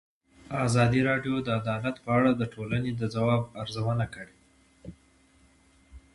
ازادي راډیو د عدالت په اړه د ټولنې د ځواب ارزونه کړې.